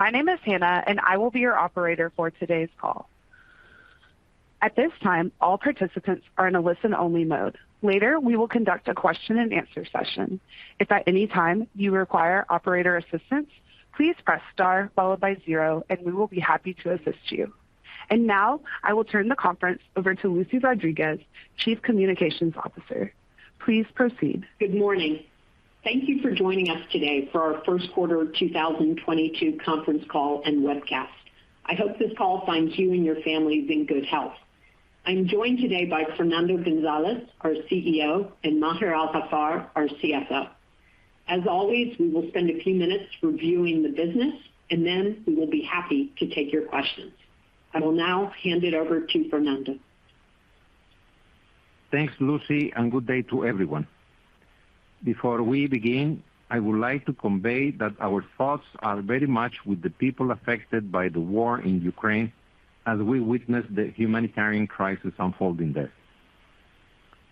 My name is Hannah, and I will be your operator for today's call. At this time, all participants are in a listen-only mode. Later, we will conduct a question-and-answer session. If at any time you require operator assistance, please press Star followed by zero, and we will be happy to assist you. Now I will turn the conference over to Lucy Rodriguez, Chief Communications Officer. Please proceed. Good morning. Thank you for joining us today for our first quarter 2022 conference call and webcast. I hope this call finds you and your families in good health. I'm joined today by Fernando González, our CEO, and Maher Al-Haffar, our CFO. As always, we will spend a few minutes reviewing the business, and then we will be happy to take your questions. I will now hand it over to Fernando. Thanks, Lucy, and good day to everyone. Before we begin, I would like to convey that our thoughts are very much with the people affected by the war in Ukraine as we witness the humanitarian crisis unfolding there.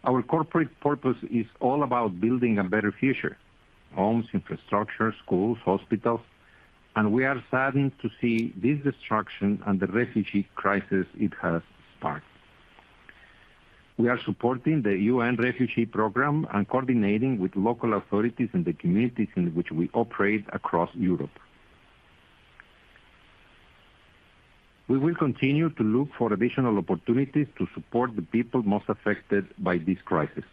Our corporate purpose is all about building a better future, homes, infrastructure, schools, hospitals, and we are saddened to see this destruction and the refugee crisis it has sparked. We are supporting the UN refugee program and coordinating with local authorities in the communities in which we operate across Europe. We will continue to look for additional opportunities to support the people most affected by this crisis.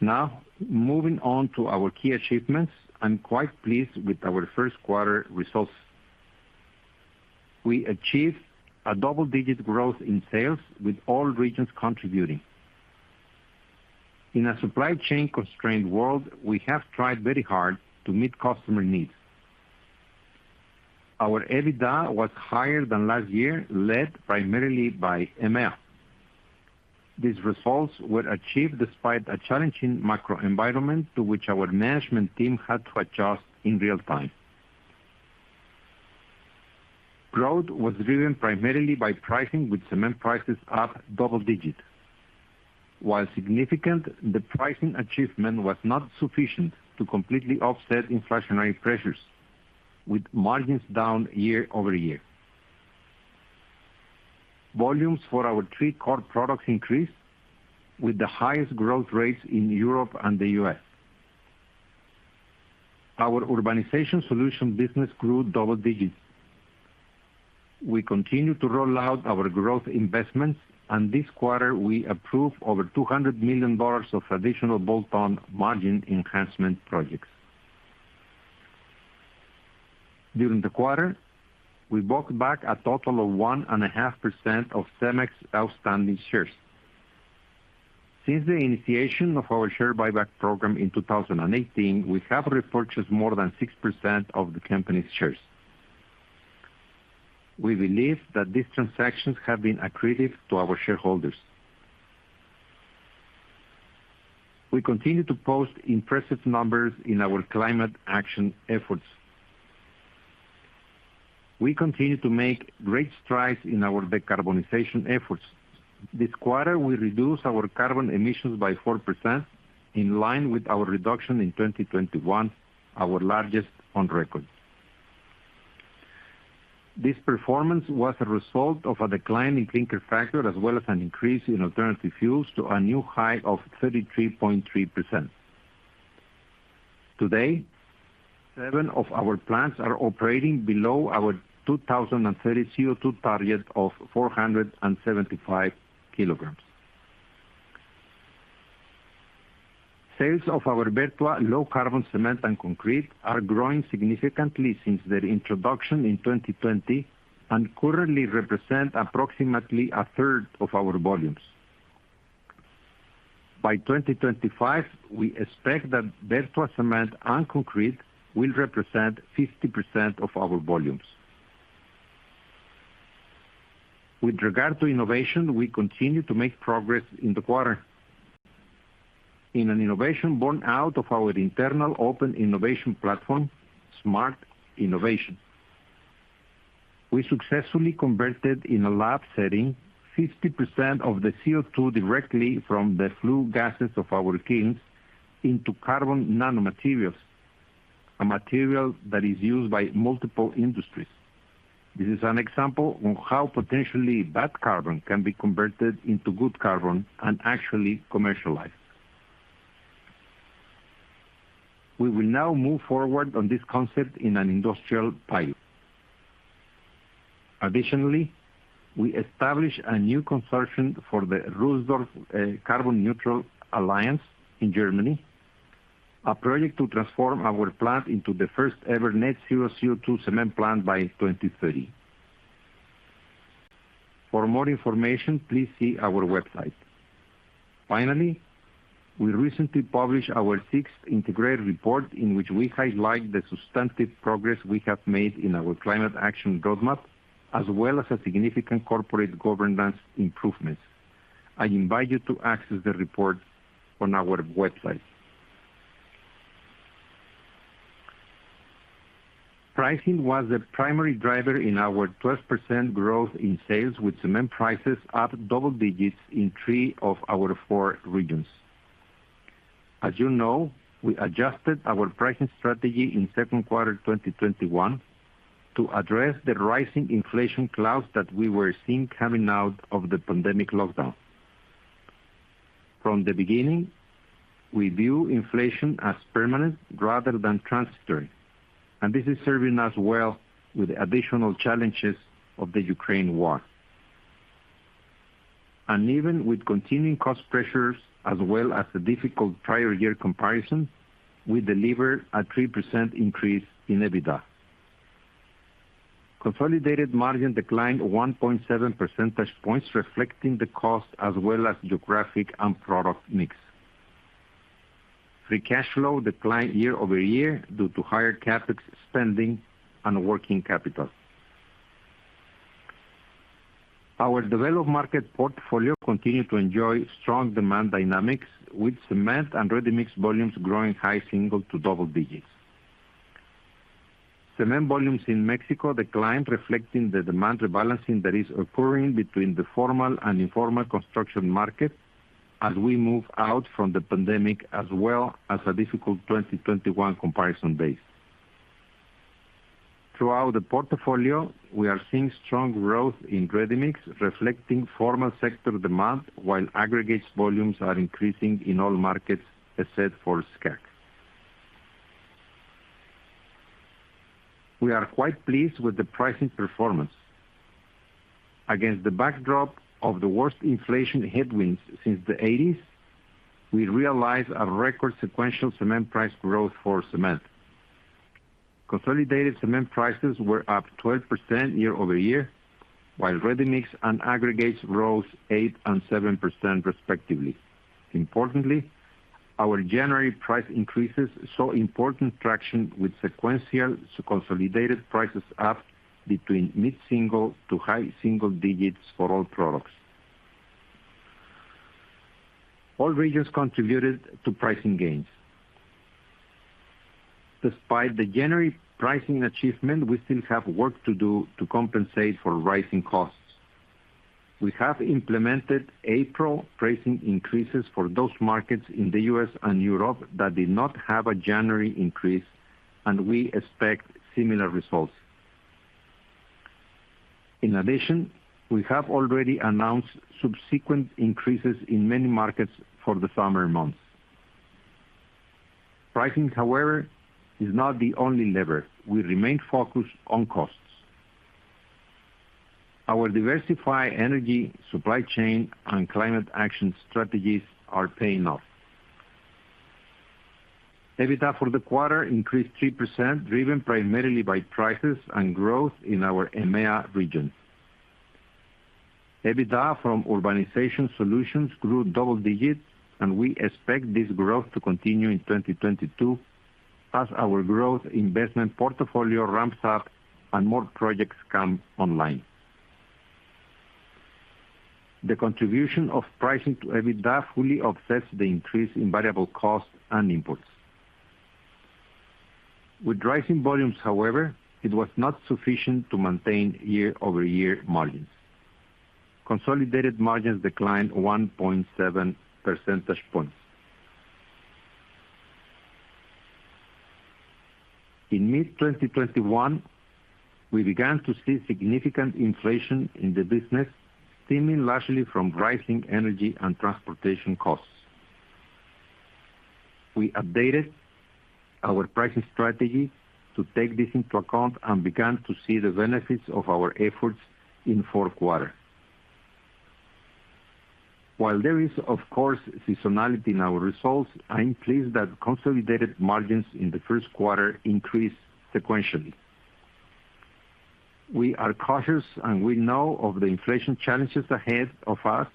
Now, moving on to our key achievements. I'm quite pleased with our first quarter results. We achieved a double-digit growth in sales, with all regions contributing. In a supply chain-constrained world, we have tried very hard to meet customer needs. Our EBITDA was higher than last year, led primarily by EMEA. These results were achieved despite a challenging macro environment to which our management team had to adjust in real time. Growth was driven primarily by pricing, with cement prices up double digits. While significant, the pricing achievement was not sufficient to completely offset inflationary pressures, with margins down year-over-year. Volumes for our three core products increased, with the highest growth rates in Europe and the U.S. Our Urbanization Solutions business grew double digits. We continue to roll out our growth investments, and this quarter we approved over $200 million of additional bolt-on margin enhancement projects. During the quarter, we bought back a total of 1.5% of CEMEX's outstanding shares. Since the initiation of our share buyback program in 2018, we have repurchased more than 6% of the company's shares. We believe that these transactions have been accretive to our shareholders. We continue to post impressive numbers in our climate action efforts. We continue to make great strides in our decarbonization efforts. This quarter, we reduced our carbon emissions by 4%, in line with our reduction in 2021, our largest on record. This performance was a result of a decline in clinker factor as well as an increase in alternative fuels to a new high of 33.3%. Today, seven of our plants are operating below our 2030 CO2 target of 475 kilograms. Sales of our Vertua low-carbon cement and concrete are growing significantly since their introduction in 2020 and currently represent approximately 1/3 of our volumes. By 2025, we expect that Vertua cement and concrete will represent 50% of our volumes. With regard to innovation, we continue to make progress in the quarter. In an innovation born out of our internal open innovation platform, Smart Innovation. We successfully converted, in a lab setting, 50% of the CO2 directly from the flue gases of our kilns into carbon nanomaterials, a material that is used by multiple industries. This is an example on how potentially bad carbon can be converted into good carbon and actually commercialized. We will now move forward on this concept in an industrial pilot. Additionally, we established a new consortium for the Rüdersdorf Carbon Neutral Alliance in Germany, a project to transform our plant into the first-ever net-zero CO2 cement plant by 2030. For more information, please see our website. Finally, we recently published our sixth integrated report in which we highlight the substantive progress we have made in our climate action roadmap, as well as a significant corporate governance improvements. I invite you to access the report on our website. Pricing was the primary driver in our 12% growth in sales, with cement prices up double digits in three of our four regions. As you know, we adjusted our pricing strategy in second quarter 2021 to address the rising inflation clouds that we were seeing coming out of the pandemic lockdown. From the beginning, we view inflation as permanent rather than transitory, and this is serving us well with additional challenges of the Ukraine war. Even with continuing cost pressures as well as the difficult prior year comparison, we delivered a 3% increase in EBITDA. Consolidated margin declined 1.7 percentage points, reflecting the cost as well as geographic and product mix. Free cash flow declined year-over-year due to higher CapEx spending and working capital. Our developed market portfolio continued to enjoy strong demand dynamics, with cement and ready-mix volumes growing high single to double digits. Cement volumes in Mexico declined, reflecting the demand rebalancing that is occurring between the formal and informal construction market as we move out from the pandemic as well as a difficult 2021 comparison base. Throughout the portfolio, we are seeing strong growth in ready-mix, reflecting formal sector demand, while aggregates volumes are increasing in all markets, except for SCA&C. We are quite pleased with the pricing performance. Against the backdrop of the worst inflation headwinds since the eighties, we realized a record sequential cement price growth for cement. Consolidated cement prices were up 12% year-over-year, while ready-mix and aggregates rose 8% and 7% respectively. Importantly, our January price increases saw important traction with sequential consolidated prices up between mid-single to high single digits for all products. All regions contributed to pricing gains. Despite the January pricing achievement, we still have work to do to compensate for rising costs. We have implemented April pricing increases for those markets in the U.S. and Europe that did not have a January increase, and we expect similar results. In addition, we have already announced subsequent increases in many markets for the summer months. Pricing, however, is not the only lever. We remain focused on costs. Our diversified energy supply chain and climate action strategies are paying off. EBITDA for the quarter increased 3%, driven primarily by prices and growth in our EMEA region. EBITDA from Urbanization Solutions grew double digits, and we expect this growth to continue in 2022 as our growth investment portfolio ramps up and more projects come online. The contribution of pricing to EBITDA fully offsets the increase in variable costs and imports. With rising volumes, however, it was not sufficient to maintain year-over-year margins. Consolidated margins declined 1.7 percentage points. In mid-2021, we began to see significant inflation in the business, stemming largely from rising energy and transportation costs. We updated our pricing strategy to take this into account and began to see the benefits of our efforts in fourth quarter. While there is, of course, seasonality in our results, I am pleased that consolidated margins in the first quarter increased sequentially. We are cautious, and we know of the inflation challenges ahead of us,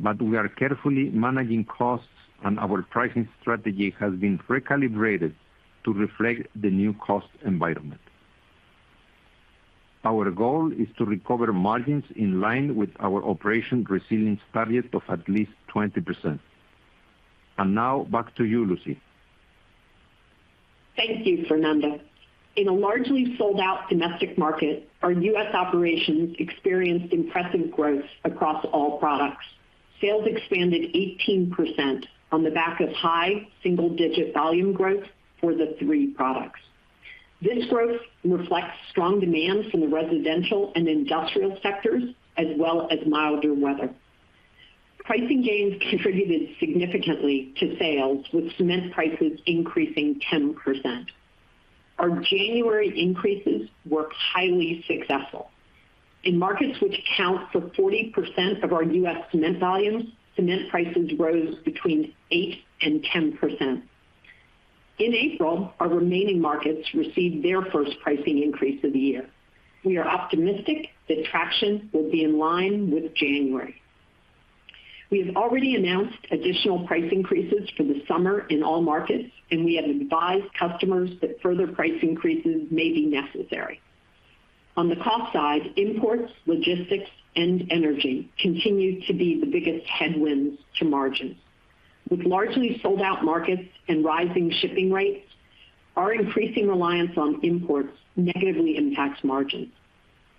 but we are carefully managing costs, and our pricing strategy has been recalibrated to reflect the new cost environment. Our goal is to recover margins in line with our Operation Resilience target of at least 20%. Now back to you, Lucy. Thank you, Fernando. In a largely sold-out domestic market, our U.S. operations experienced impressive growth across all products. Sales expanded 18% on the back of high single-digit volume growth for the three products. This growth reflects strong demand from the residential and industrial sectors as well as milder weather. Pricing gains contributed significantly to sales, with cement prices increasing 10%. Our January increases were highly successful. In markets which account for 40% of our U.S. cement volumes, cement prices rose between 8% and 10%. In April, our remaining markets received their first pricing increase of the year. We are optimistic that traction will be in line with January. We have already announced additional price increases for the summer in all markets, and we have advised customers that further price increases may be necessary. On the cost side, imports, logistics, and energy continue to be the biggest headwinds to margins. With largely sold-out markets and rising shipping rates, our increasing reliance on imports negatively impacts margins.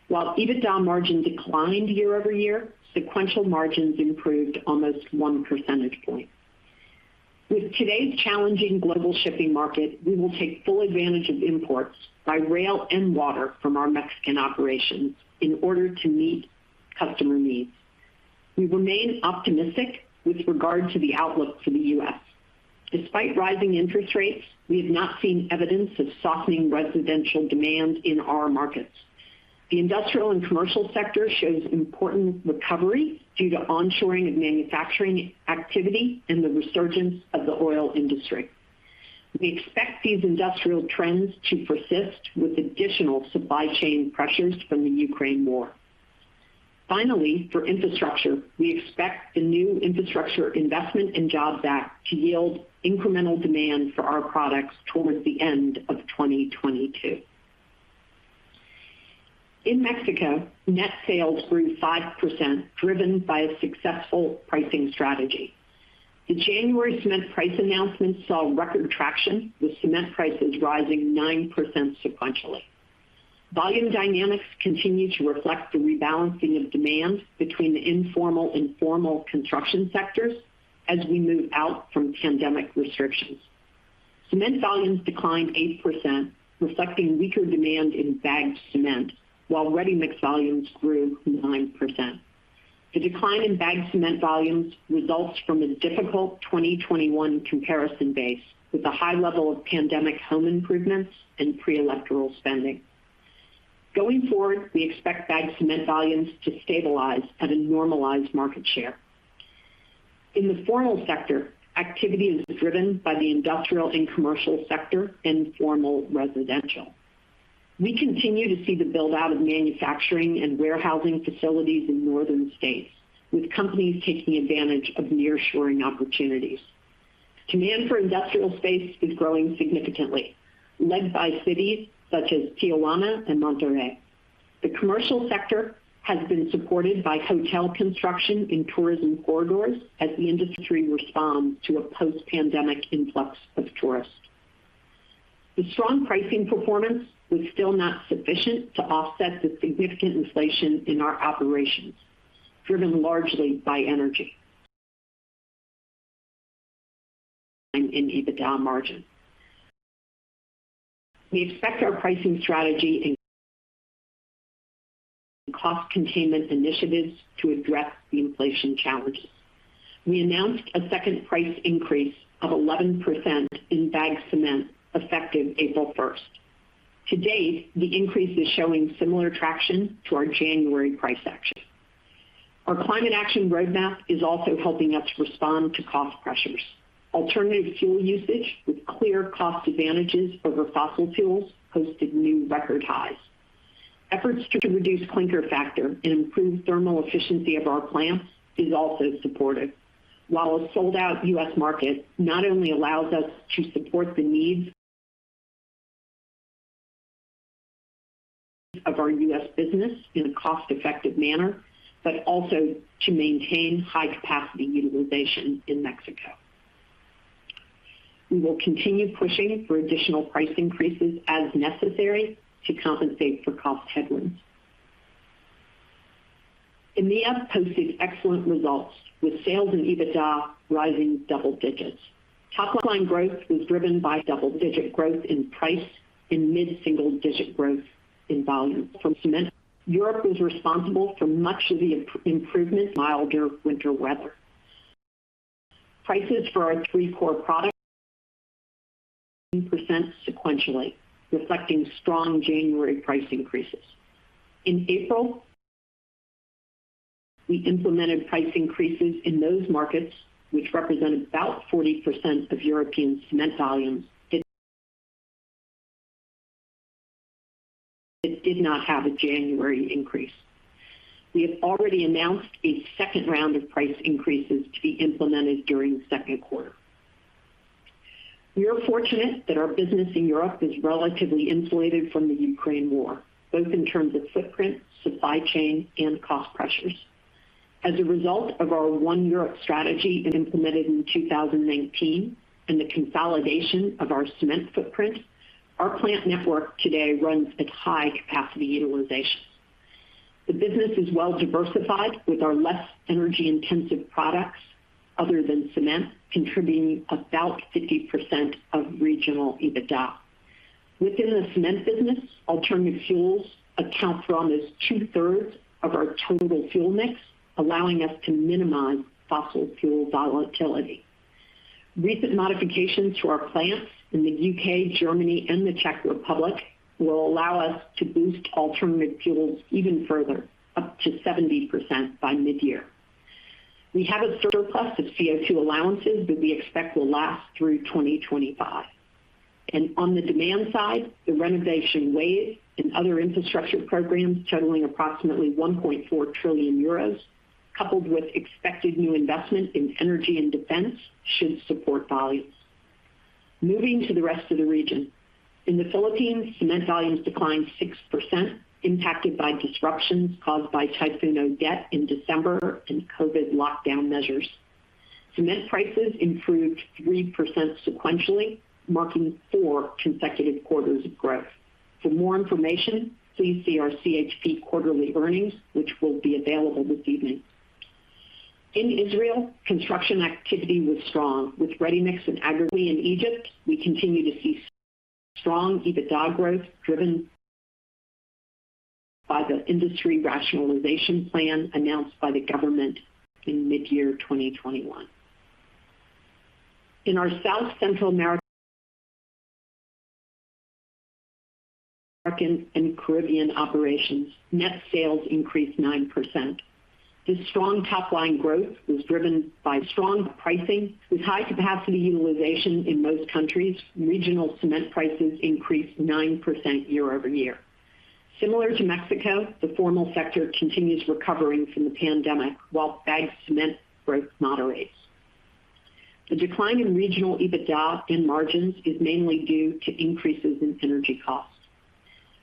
While EBITDA margin declined year-over-year, sequential margins improved almost one percentage point. With today's challenging global shipping market, we will take full advantage of imports by rail and water from our Mexican operations in order to meet customer needs. We remain optimistic with regard to the outlook for the U.S. Despite rising interest rates, we have not seen evidence of softening residential demand in our markets. The industrial and commercial sector shows important recovery due to on-shoring of manufacturing activity and the resurgence of the oil industry. We expect these industrial trends to persist with additional supply chain pressures from the Ukraine war. Finally, for infrastructure, we expect the new Infrastructure Investment and Jobs Act to yield incremental demand for our products towards the end of 2022. In Mexico, net sales grew 5%, driven by a successful pricing strategy. The January cement price announcement saw record traction, with cement prices rising 9% sequentially. Volume dynamics continue to reflect the rebalancing of demand between the informal and formal construction sectors as we move out from pandemic restrictions. Cement volumes declined 8%, reflecting weaker demand in bagged cement, while ready-mix volumes grew 9%. The decline in bagged cement volumes results from a difficult 2021 comparison base with a high level of pandemic home improvements and pre-electoral spending. Going forward, we expect bagged cement volumes to stabilize at a normalized market share. In the formal sector, activity is driven by the industrial and commercial sector and formal residential. We continue to see the build-out of manufacturing and warehousing facilities in northern states, with companies taking advantage of near-shoring opportunities. Demand for industrial space is growing significantly, led by cities such as Tijuana and Monterrey. The commercial sector has been supported by hotel construction in tourism corridors as the industry responds to a post-pandemic influx of tourists. The strong pricing performance was still not sufficient to offset the significant inflation in our operations, driven largely by energy in EBITDA margin. We expect our pricing strategy and cost containment initiatives to address the inflation challenges. We announced a second price increase of 11% in bagged cement effective April 1st. To date, the increase is showing similar traction to our January price action. Our climate action roadmap is also helping us respond to cost pressures. Alternative fuel usage with clear cost advantages over fossil fuels posted new record highs. Efforts to reduce clinker factor and improve thermal efficiency of our plants is also supported. While a sold-out U.S. market not only allows us to support the needs of our U.S. business in a cost-effective manner, but also to maintain high capacity utilization in Mexico. We will continue pushing for additional price increases as necessary to compensate for cost headwinds. EMEA posted excellent results, with sales and EBITDA rising double digits. Top-line growth was driven by double-digit growth in price and mid-single-digit growth in volume from cement. Europe was responsible for much of the improvement, milder winter weather. Prices for our three core products sequentially, reflecting strong January price increases. In April, we implemented price increases in those markets, which represent about 40% of European cement volumes that did not have a January increase. We have already announced a second round of price increases to be implemented during the second quarter. We are fortunate that our business in Europe is relatively insulated from the Ukraine war, both in terms of footprint, supply chain, and cost pressures. As a result of our One Europe strategy implemented in 2019 and the consolidation of our cement footprint, our plant network today runs at high capacity utilization. The business is well-diversified, with our less energy-intensive products other than cement contributing about 50% of regional EBITDA. Within the cement business, alternative fuels account for almost two-thirds of our total fuel mix, allowing us to minimize fossil fuel volatility. Recent modifications to our plants in the UK, Germany, and the Czech Republic will allow us to boost alternative fuels even further, up to 70% by mid-year. We have a surplus of CO₂ allowances that we expect will last through 2025. On the demand side, the renovation wave and other infrastructure programs totaling approximately 1.4 trillion euros, coupled with expected new investment in energy and defense, should support volumes. Moving to the rest of the region. In the Philippines, cement volumes declined 6%, impacted by disruptions caused by Typhoon Odette in December and COVID lockdown measures. Cement prices improved 3% sequentially, marking four consecutive quarters of growth. For more information, please see our CHP quarterly earnings, which will be available this evening. In Israel, construction activity was strong with ready-mix and aggregate. In Egypt, we continue to see strong EBITDA growth, driven by the industry rationalization plan announced by the government in mid-2021. In our South, Central America and the Caribbean operations, net sales increased 9%. This strong top-line growth was driven by strong pricing. With high capacity utilization in most countries, regional cement prices increased 9% year-over-year. Similar to Mexico, the formal sector continues recovering from the pandemic, while bagged cement growth moderates. The decline in regional EBITDA and margins is mainly due to increases in energy costs.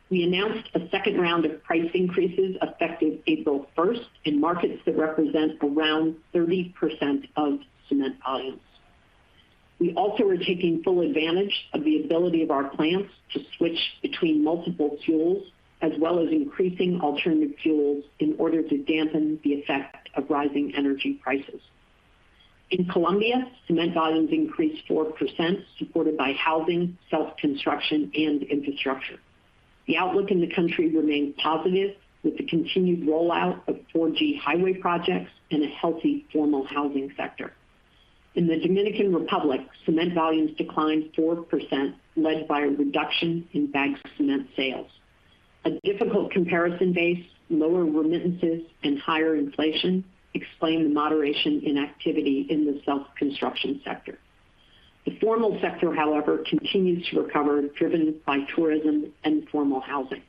We announced a second round of price increases effective April 1 in markets that represent around 30% of cement volumes. We also are taking full advantage of the ability of our plants to switch between multiple fuels, as well as increasing alternative fuels in order to dampen the effect of rising energy prices. In Colombia, cement volumes increased 4%, supported by housing, self-construction, and infrastructure. The outlook in the country remains positive with the continued rollout of 4G highway projects and a healthy formal housing sector. In the Dominican Republic, cement volumes declined 4%, led by a reduction in bagged cement sales. A difficult comparison base, lower remittances, and higher inflation explain the moderation in activity in the self-construction sector. The formal sector, however, continues to recover, driven by tourism and formal housing.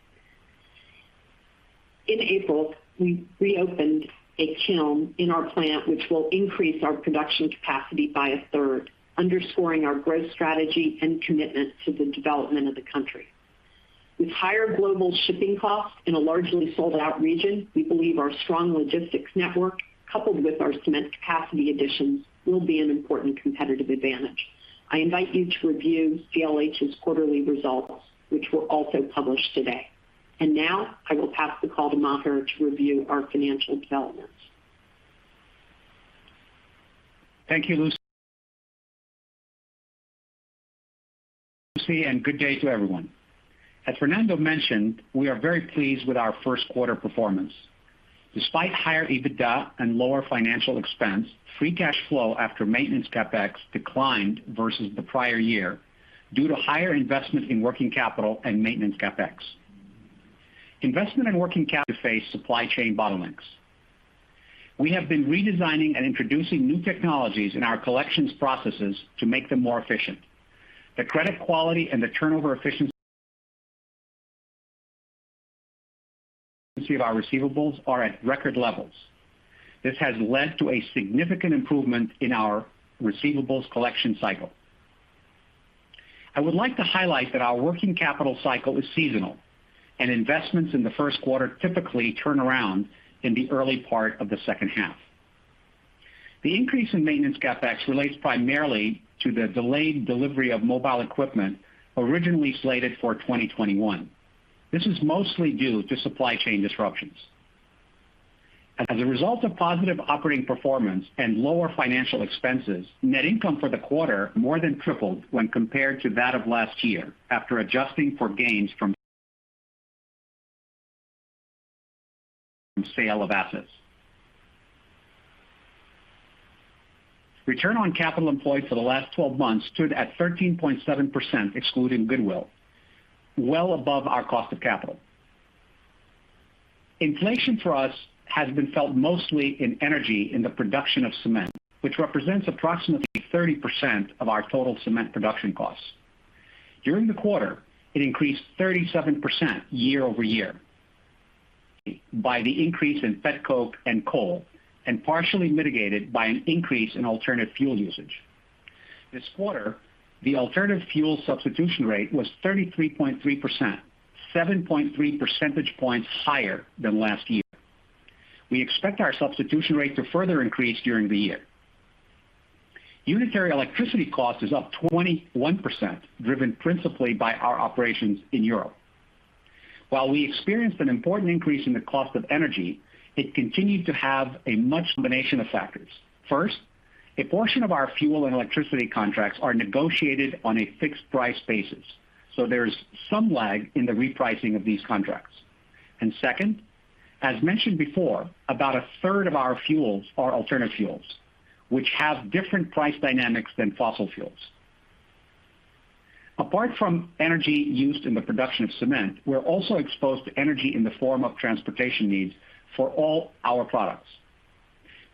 In April, we reopened a kiln in our plant, which will increase our production capacity by a third, underscoring our growth strategy and commitment to the development of the country. With higher global shipping costs in a largely sold out region, we believe our strong logistics network, coupled with our cement capacity additions, will be an important competitive advantage. I invite you to review CLH's quarterly results, which were also published today. Now I will pass the call to Maher to review our financial developments. Thank you, Lucy, and good day to everyone. As Fernando mentioned, we are very pleased with our first quarter performance. Despite higher EBITDA and lower financial expense, free cash flow after maintenance CapEx declined versus the prior year due to higher investment in working capital and maintenance CapEx. Investment in working capital faced supply chain bottlenecks. We have been redesigning and introducing new technologies in our collections processes to make them more efficient. The credit quality and the turnover efficiency of our receivables are at record levels. This has led to a significant improvement in our receivables collection cycle. I would like to highlight that our working capital cycle is seasonal, and investments in the first quarter typically turn around in the early part of the second half. The increase in maintenance CapEx relates primarily to the delayed delivery of mobile equipment originally slated for 2021. This is mostly due to supply chain disruptions. As a result of positive operating performance and lower financial expenses, net income for the quarter more than tripled when compared to that of last year after adjusting for gains from sale of assets. Return on capital employed for the last 12 months stood at 13.7%, excluding goodwill, well above our cost of capital. Inflation for us has been felt mostly in energy in the production of cement, which represents approximately 30% of our total cement production costs. During the quarter, it increased 37% year-over-year due to the increase in petcoke and coal, and partially mitigated by an increase in alternative fuel usage. This quarter, the alternative fuel substitution rate was 33.3%, 7.3 percentage points higher than last year. We expect our substitution rate to further increase during the year. Unitary electricity cost is up 21%, driven principally by our operations in Europe. While we experienced an important increase in the cost of energy, this was mitigated by a combination of factors. First, a portion of our fuel and electricity contracts are negotiated on a fixed price basis, so there's some lag in the repricing of these contracts. Second, as mentioned before, about a third of our fuels are alternative fuels, which have different price dynamics than fossil fuels. Apart from energy used in the production of cement, we're also exposed to energy in the form of transportation needs for all our products.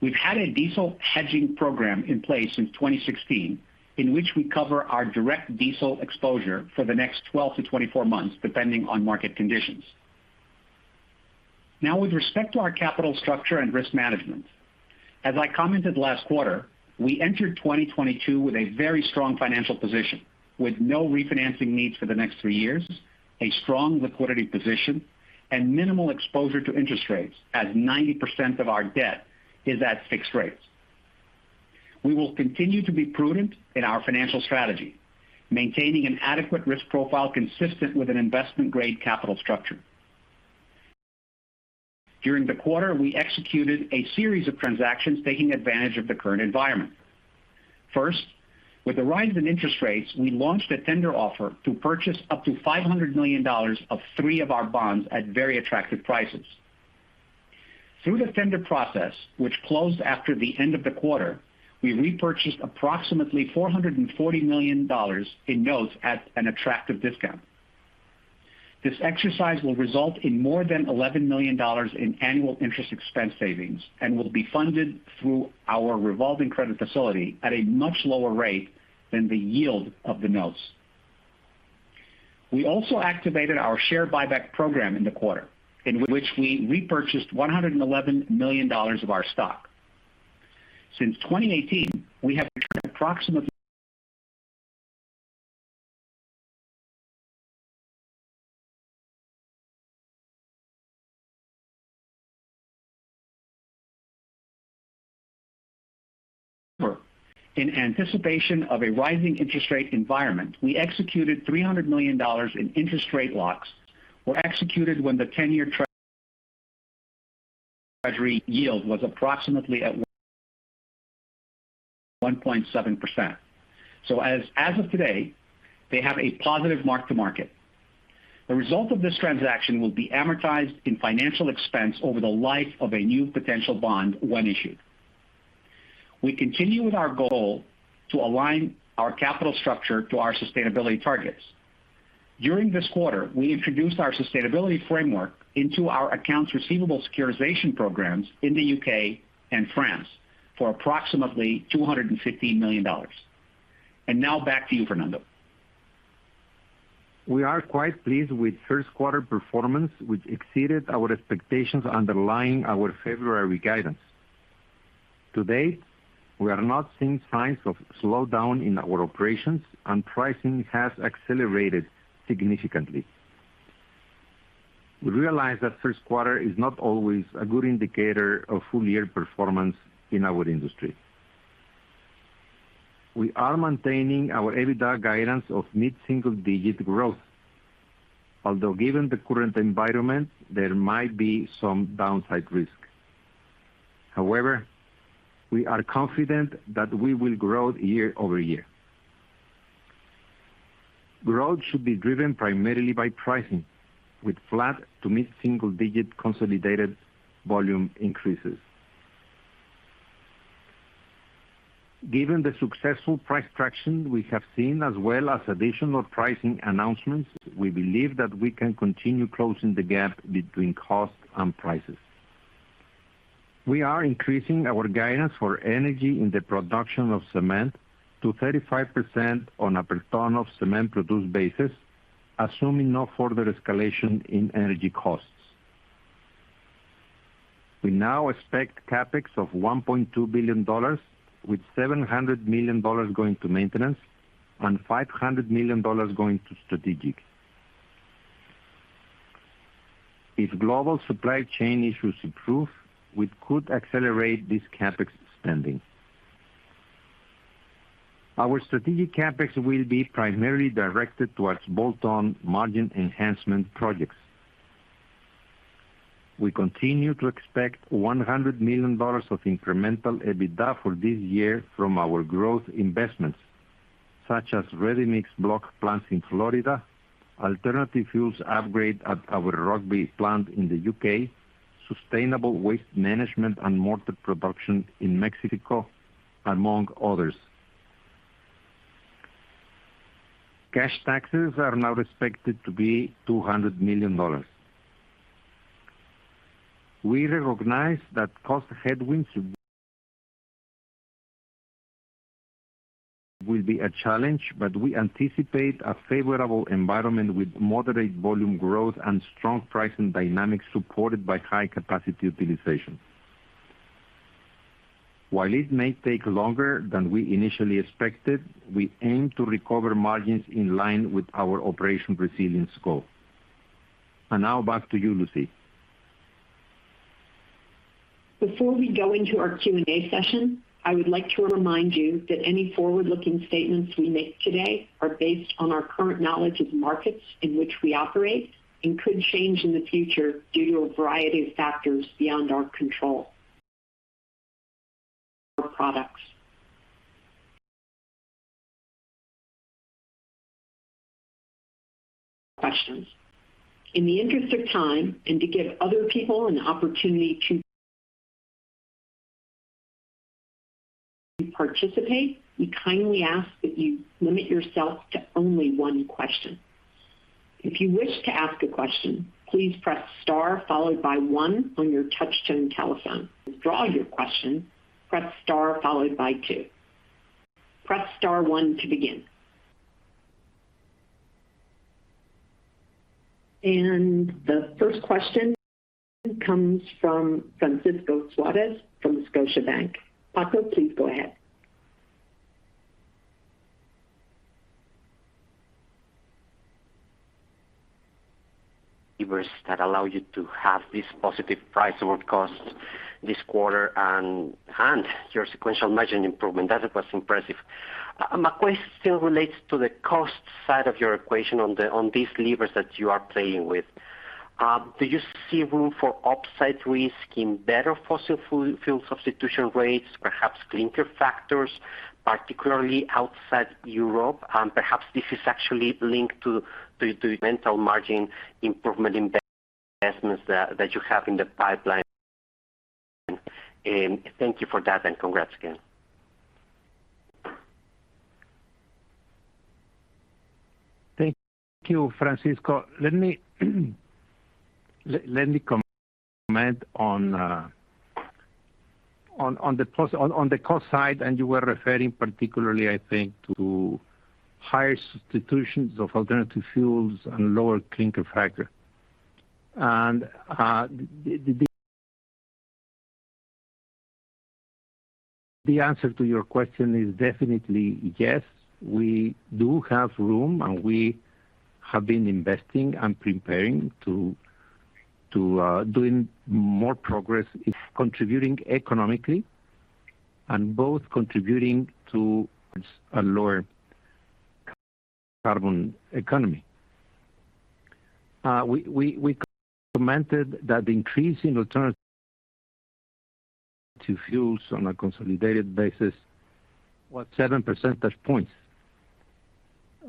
We've had a diesel hedging program in place since 2016, in which we cover our direct diesel exposure for the next 12-24 months, depending on market conditions. Now with respect to our capital structure and risk management, as I commented last quarter, we entered 2022 with a very strong financial position, with no refinancing needs for the next 3 years. A strong liquidity position and minimal exposure to interest rates as 90% of our debt is at fixed rates. We will continue to be prudent in our financial strategy, maintaining an adequate risk profile consistent with an investment-grade capital structure. During the quarter, we executed a series of transactions taking advantage of the current environment. First, with the rise in interest rates, we launched a tender offer to purchase up to $500 million of three of our bonds at very attractive prices. Through the tender process, which closed after the end of the quarter, we repurchased approximately $440 million in notes at an attractive discount. This exercise will result in more than $11 million in annual interest expense savings, and will be funded through our revolving credit facility at a much lower rate than the yield of the notes. We also activated our share buyback program in the quarter, in which we repurchased $111 million of our stock. Since 2018, we have returned approximately. In anticipation of a rising interest rate environment, we executed $300 million in interest rate locks when the ten-year Treasury yield was approximately at 1.7%. As of today, they have a positive mark-to-market. The result of this transaction will be amortized in financial expense over the life of a new potential bond when issued. We continue with our goal to align our capital structure to our sustainability targets. During this quarter, we introduced our sustainability framework into our accounts receivable securitization programs in the UK and France for approximately $215 million. Now back to you, Fernando. We are quite pleased with first quarter performance, which exceeded our expectations underlying our February guidance. To date, we are not seeing signs of slowdown in our operations and pricing has accelerated significantly. We realize that first quarter is not always a good indicator of full-year performance in our industry. We are maintaining our EBITDA guidance of mid-single digit growth. Although given the current environment, there might be some downside risk. However, we are confident that we will grow year-over-year. Growth should be driven primarily by pricing, with flat to mid-single digit consolidated volume increases. Given the successful price traction we have seen as well as additional pricing announcements, we believe that we can continue closing the gap between costs and prices. We are increasing our guidance for energy in the production of cement to 35% on a per ton of cement produced basis, assuming no further escalation in energy costs. We now expect CapEx of $1.2 billion, with $700 million going to maintenance and $500 million going to strategic. If global supply chain issues improve, we could accelerate this CapEx spending. Our strategic CapEx will be primarily directed towards bolt-on margin enhancement projects. We continue to expect $100 million of incremental EBITDA for this year from our growth investments, such as ready-mix block plants in Florida, alternative fuels upgrade at our Rugby plant in the UK, sustainable waste management and mortar production in Mexico, among others. Cash taxes are now expected to be $200 million. We recognize that cost headwinds will be a challenge, but we anticipate a favorable environment with moderate volume growth and strong pricing dynamics supported by high capacity utilization. While it may take longer than we initially expected, we aim to recover margins in line with our Operation Resilience goal. Now back to you, Lucy. Before we go into our Q&A session, I would like to remind you that any forward-looking statements we make today are based on our current knowledge of markets in which we operate and could change in the future due to a variety of factors beyond our control. In the interest of time and to give other people an opportunity to participate, we kindly ask that you limit yourself to only one question. If you wish to ask a question, please press star followed by one on your touch-tone telephone. Withdraw your question, press star followed by two. Press star one to begin. The first question comes from Francisco Suarez from Scotiabank. Paco, please go ahead. that allow you to have this positive price over cost this quarter and your sequential margin improvement. That was impressive. My question relates to the cost side of your equation on these levers that you are playing with. Do you see room for upside risk in better fossil fuel substitution rates, perhaps clinker factors, particularly outside Europe? Perhaps this is actually linked to incremental margin improvement investments that you have in the pipeline. Thank you for that, and congrats again. Thank you, Francisco. Let me comment on the cost side, and you were referring particularly, I think, to higher substitutions of alternative fuels and lower clinker factor. The answer to your question is definitely yes. We do have room, and we have been investing and preparing to doing more progress in contributing economically and both contributing to a lower carbon economy. We commented that the increase in alternative fuels on a consolidated basis was seven percentage points.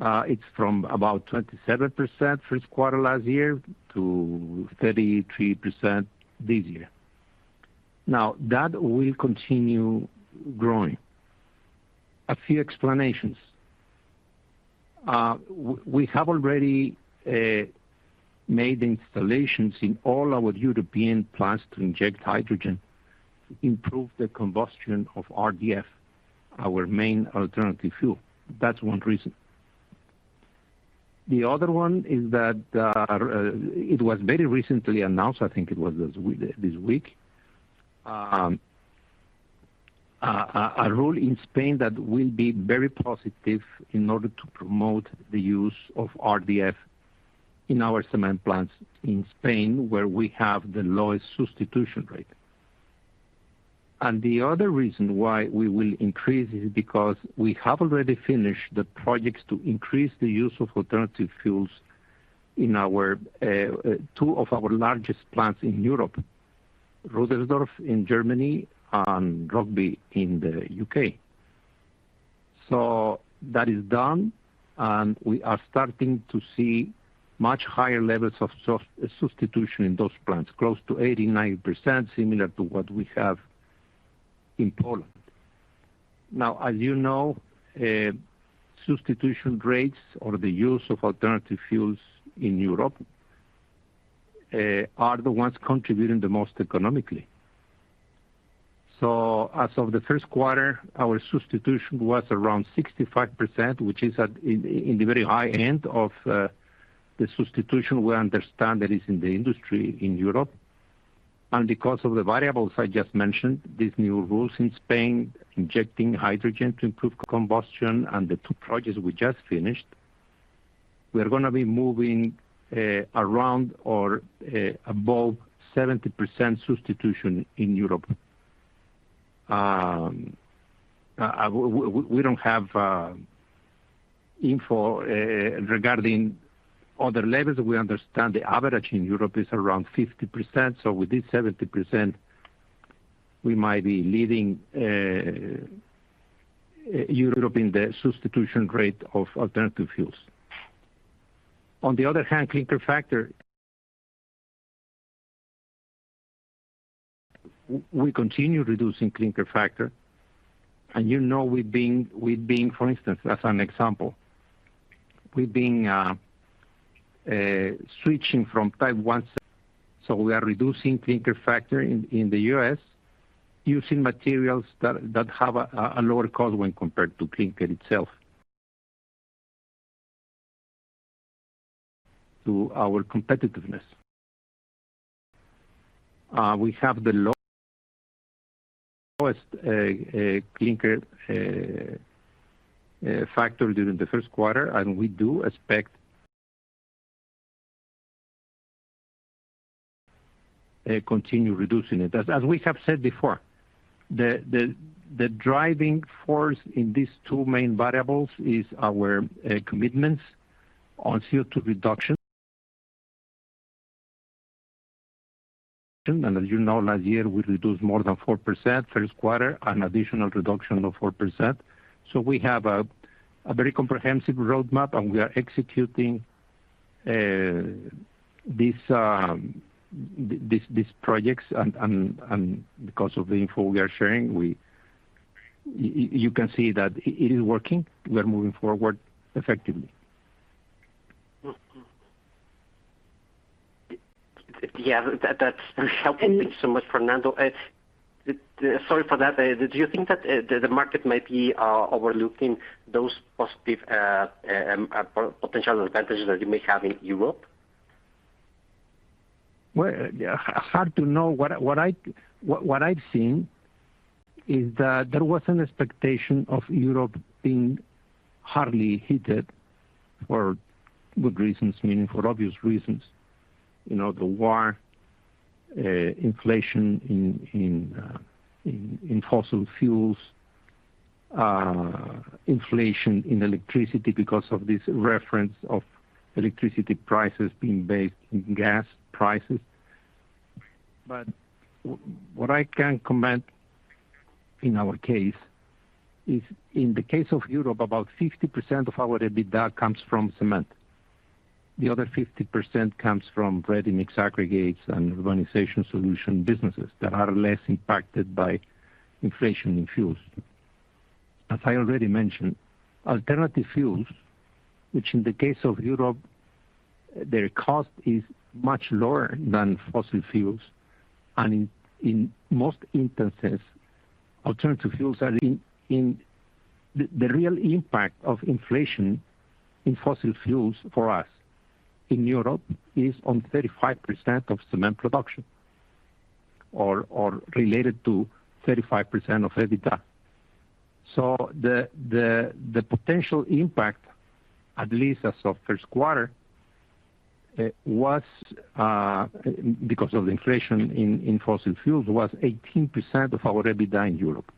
It's from about 27% first quarter last year to 33% this year. Now, that will continue growing. A few explanations. We have already made installations in all our European plants to inject hydrogen to improve the combustion of RDF, our main alternative fuel. That's one reason. The other one is that, it was very recently announced, I think it was this week, a rule in Spain that will be very positive in order to promote the use of RDF in our cement plants in Spain, where we have the lowest substitution rate. The other reason why we will increase is because we have already finished the projects to increase the use of alternative fuels in our, two of our largest plants in Europe, Rüdersdorf in Germany and Rugby in the UK. That is done, and we are starting to see much higher levels of substitution in those plants, close to 80%-90%, similar to what we have in Poland. Now, as you know, substitution rates or the use of alternative fuels in Europe are the ones contributing the most economically. As of the first quarter, our substitution was around 65%, which is at the very high end of the substitution we understand that is in the industry in Europe. Because of the variables I just mentioned, these new rules in Spain, injecting hydrogen to improve combustion and the two projects we just finished, we are gonna be moving around or above 70% substitution in Europe. We don't have info regarding other levels. We understand the average in Europe is around 50%, so with this 70%, we might be leading Europe in the substitution rate of alternative fuels. On the other hand, clinker factor, we continue reducing clinker factor. You know, we've been, for instance, as an example, we've been switching from type one. So we are reducing clinker factor in the U.S. using materials that have a lower cost when compared to clinker itself. To our competitiveness. We have the lowest clinker factor during the first quarter, and we do expect continue reducing it. As we have said before, the driving force in these two main variables is our commitments on CO2 reduction. As you know, last year, we reduced more than 4% first quarter, an additional reduction of 4%. We have a very comprehensive roadmap, and we are executing these projects. Because of the info we are sharing, you can see that it is working. We are moving forward effectively. Yeah. That's helpful. Thank you so much, Fernando. Sorry for that. Do you think that the market might be overlooking those positive potential advantages that you may have in Europe? Well, yeah, hard to know. What I've seen is that there was an expectation of Europe being hard hit for good reasons, meaning for obvious reasons. You know, the war, inflation in fossil fuels, inflation in electricity because of this reference of electricity prices being based on gas prices. What I can comment in our case is in the case of Europe, about 50% of our EBITDA comes from cement. The other 50% comes from ready-mix, aggregates and Urbanization Solutions businesses that are less impacted by inflation in fuels. As I already mentioned, alternative fuels, which in the case of Europe, their cost is much lower than fossil fuels. In most instances, alternative fuels are in. The real impact of inflation in fossil fuels for us in Europe is on 35% of cement production or related to 35% of EBITDA. The potential impact, at least as of first quarter, was because of the inflation in fossil fuels, was 18% of our EBITDA in Europe.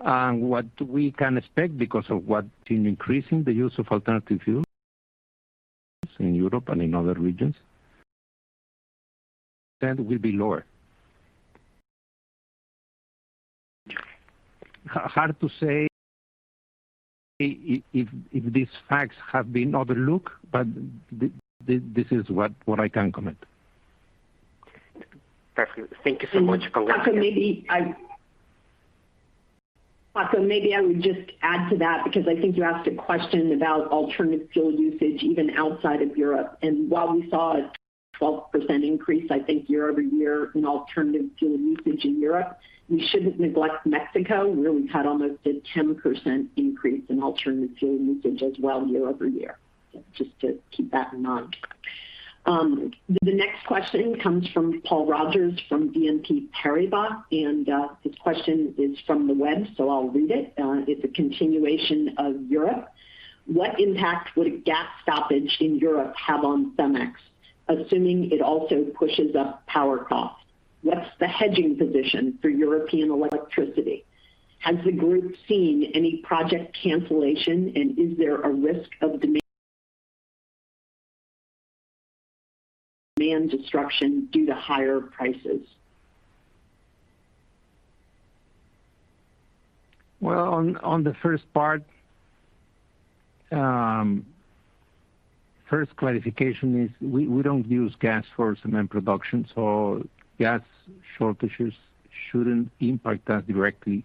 What we can expect because of increasing the use of alternative fuels in Europe and in other regions, then will be lower. Hard to say if these facts have been overlooked, but this is what I can comment. Thank you. Thank you so much. Maybe I would just add to that because I think you asked a question about alternative fuel usage even outside of Europe. While we saw a 12% increase, I think year over year in alternative fuel usage in Europe, we shouldn't neglect Mexico, where we've had almost a 10% increase in alternative fuel usage as well year over year. Just to keep that in mind. The next question comes from Paul Roger from BNP Paribas, and this question is from the web, so I'll read it. It's a continuation of Europe. What impact would a gas stoppage in Europe have on CEMEX, assuming it also pushes up power costs? What's the hedging position for European electricity? Has the group seen any project cancellation, and is there a risk of demand disruption due to higher prices? On the first part, first clarification is we don't use gas for cement production, so gas shortages shouldn't impact us directly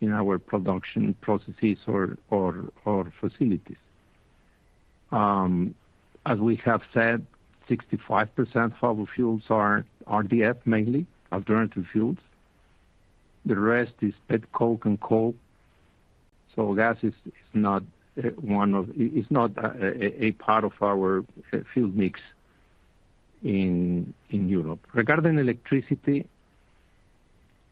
in our production processes or facilities. As we have said, 65% fossil fuels are RDF, mainly alternative fuels. The rest is petcoke and coal. So gas is not a part of our fuel mix in Europe. Regarding electricity,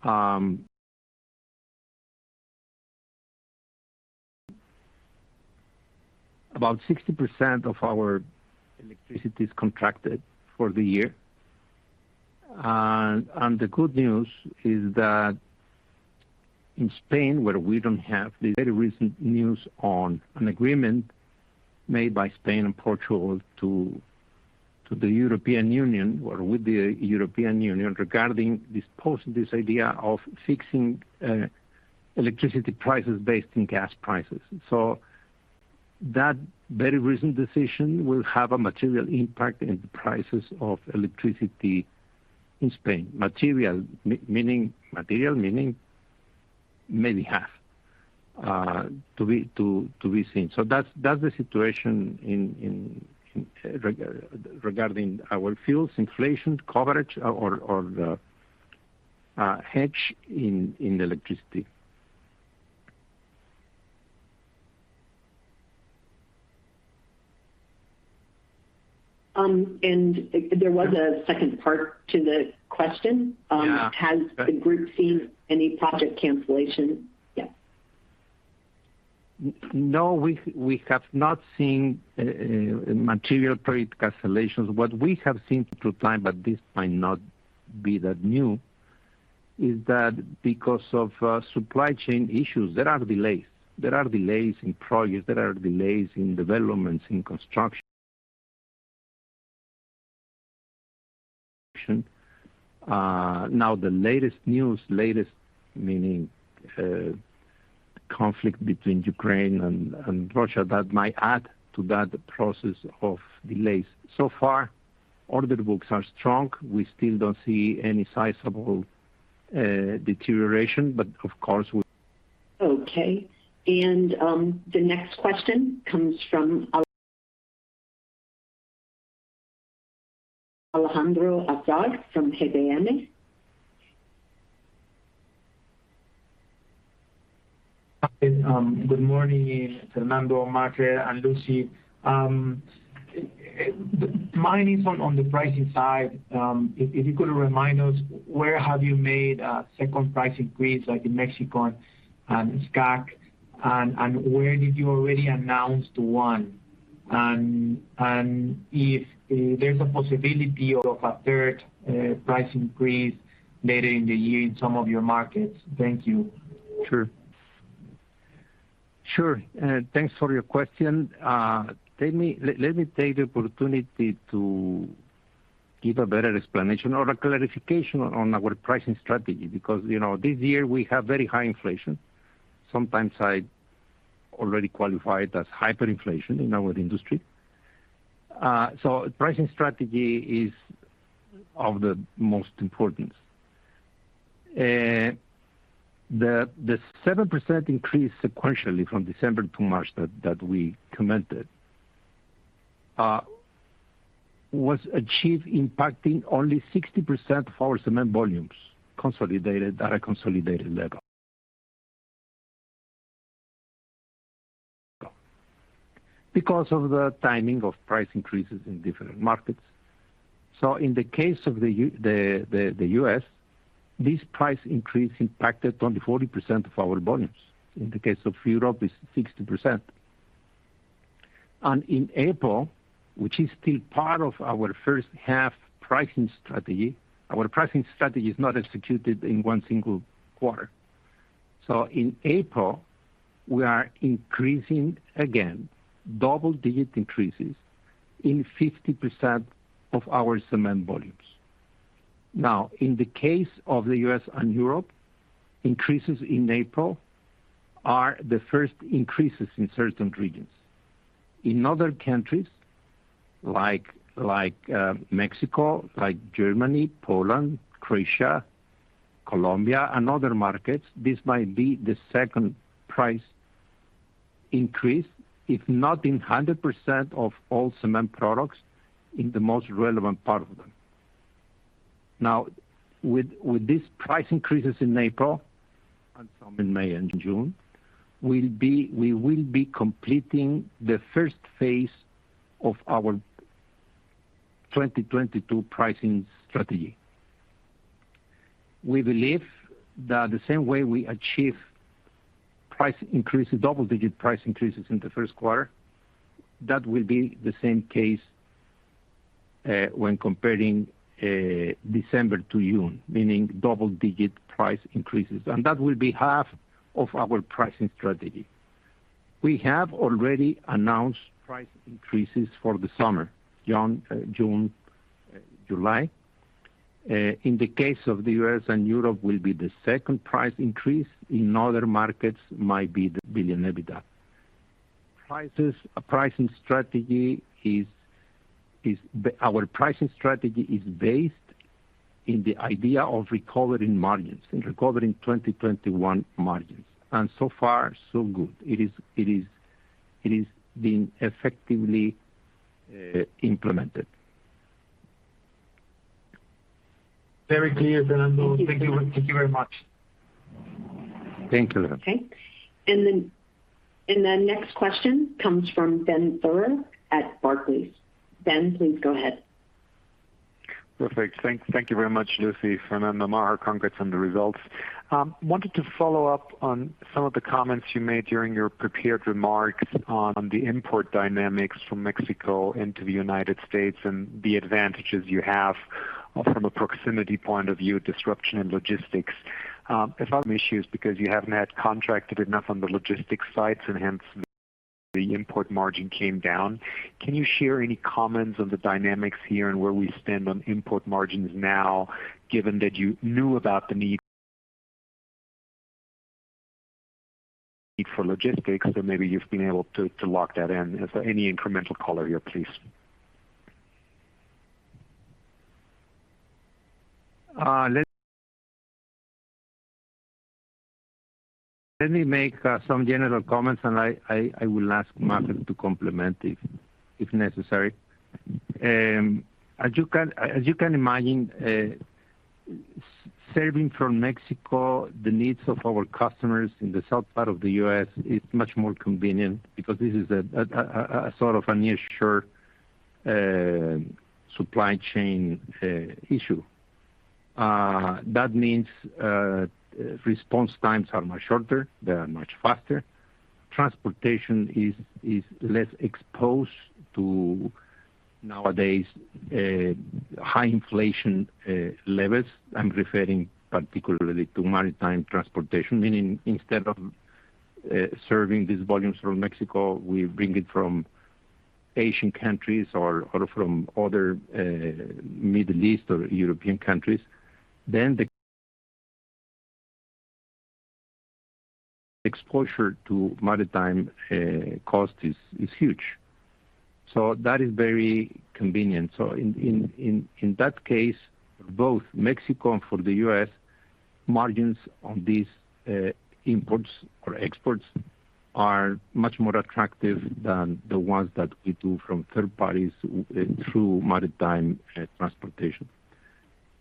about 60% of our electricity is contracted for the year. The good news is that in Spain, we do have the very recent news on an agreement made by Spain and Portugal to the European Union or with the European Union regarding this idea of fixing electricity prices based on gas prices. That very recent decision will have a material impact in the prices of electricity in Spain. Material meaning maybe half, to be seen. That's the situation regarding our fuels inflation coverage or the hedge in electricity. There was a second part to the question. Yeah. Has the group seen any project cancellation? Yeah. No, we have not seen material project cancellations. What we have seen through time, but this might not be that new, is that because of supply chain issues, there are delays. There are delays in projects. There are delays in developments, in construction. Now the latest news, latest meaning, conflict between Ukraine and Russia, that might add to that process of delays. So far, order books are strong. We still don't see any sizable deterioration, but of course, we Okay. The next question comes from Alejandro Azar from GBM. Good morning, Fernando, Maher, and Lucy. Mine is on the pricing side. If you could remind us where have you made second price increase, like in Mexico and SCA&C, and where did you already announce one? If there's a possibility of a third price increase later in the year in some of your markets. Thank you. Sure. Thanks for your question. Let me take the opportunity to give a better explanation or a clarification on our pricing strategy because, you know, this year we have very high inflation. Sometimes I already qualify it as hyperinflation in our industry. Pricing strategy is of the most importance. The 7% increase sequentially from December to March that we commented was achieved impacting only 60% of our cement volumes consolidated at a consolidated level. Because of the timing of price increases in different markets. In the case of the U.S., this price increase impacted only 40% of our volumes. In the case of Europe, it's 60%. In April, which is still part of our first half pricing strategy, our pricing strategy is not executed in one single quarter. In April, we are increasing again double-digit increases in 50% of our cement volumes. Now, in the case of the U.S. and Europe, increases in April are the first increases in certain regions. In other countries like Mexico, like Germany, Poland, Croatia, Colombia and other markets, this might be the second price increase, if not in 100% of all cement products in the most relevant part of them. Now, with these price increases in April and some in May and June, we will be completing the first phase of our 2022 pricing strategy. We believe that the same way we achieve price increases, double-digit price increases in the first quarter, that will be the same case, when comparing, December to June, meaning double-digit price increases. That will be half of our pricing strategy. We have already announced price increases for the summer, June, July. In the case of the US and Europe will be the second price increase. In other markets might be a billion EBITDA. Our pricing strategy is based in the idea of recovering margins and recovering 2021 margins, and so far, so good. It is being effectively implemented. Very clear, Fernando. Thank you. Thank you very much. Thank you. Okay. The next question comes from Ben Theurer at Barclays. Ben, please go ahead. Perfect. Thank you very much, Lucy. Fernando, Maher, congrats on the results. Wanted to follow up on some of the comments you made during your prepared remarks on the import dynamics from Mexico into the United States and the advantages you have from a proximity point of view, disruption and logistics. I thought some issues because you haven't had contracted enough on the logistics side and hence the import margin came down. Can you share any comments on the dynamics here and where we stand on import margins now, given that you knew about the need for logistics, and maybe you've been able to lock that in. Is there any incremental color here, please? Let me make some general comments, and I will ask Maher to complement if necessary. As you can imagine, serving from Mexico the needs of our customers in the south part of the U.S. is much more convenient because this is a sort of a nearshore supply chain issue. That means response times are much shorter, they are much faster. Transportation is less exposed to nowadays high inflation levels. I'm referring particularly to maritime transportation. Meaning instead of serving these volumes from Mexico, we bring it from Asian countries or from other Middle East or European countries. The exposure to maritime cost is huge. That is very convenient. In that case, both Mexico and for the U.S., margins on these imports or exports are much more attractive than the ones that we do from third parties through maritime transportation.